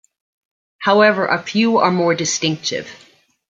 However a few are more distinctive.